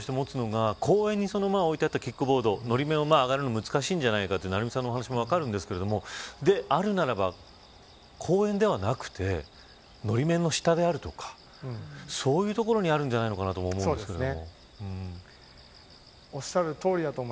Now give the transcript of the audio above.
あとは一つ僕が違和感として持つのが公園に置いてあったキックボードのり面を上がるの難しいんじゃないかという成美さんの話も分かるんですがであるならば、公園ではなくてのり面の下であるとかそういう所にあるんじゃないかそうですね。